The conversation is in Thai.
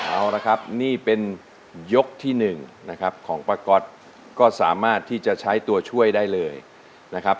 เอาละครับนี่เป็นยกที่๑นะครับของป้าก๊อตก็สามารถที่จะใช้ตัวช่วยได้เลยนะครับ